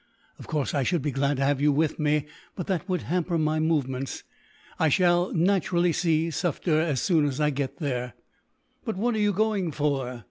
Of course, I should be glad to have you with me; but that would hamper my movements. I shall, naturally, see Sufder as soon as I get there." "But what are you going for?